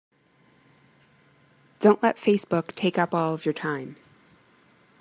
Don't let Facebook take up all of your time.